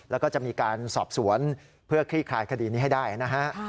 แล้วก็จะมีการสอบสวนเพื่อคลี่คลายคดีนี้ให้ได้นะฮะ